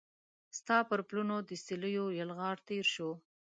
ستا پر پلونو د سیلېو یلغار تیر شو